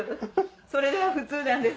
それが普通なんです。